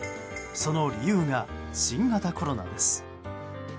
その理由が、新型コロナです。